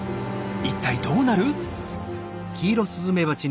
一体どうなる？